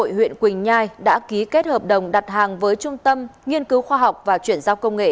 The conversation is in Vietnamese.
huyện quỳnh nhai đã ký kết hợp đồng đặt hàng với trung tâm nghiên cứu khoa học và chuyển giao công nghệ